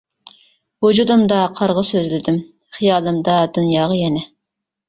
ۋۇجۇدۇمدا قارغا سۆزلىدىم، خىيالىمدا دۇنياغا يەنە.